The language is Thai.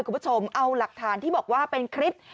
คุณผู้ชมเอาหลักฐานที่บอกว่าเป็นคลิป